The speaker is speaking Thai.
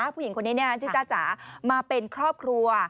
ผู้หญิงคนนี้เนี่ยน้องจ๊ะจ๋ามาเป็นครอบครัว